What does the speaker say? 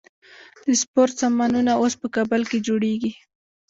د سپورت سامانونه اوس په کابل کې جوړیږي.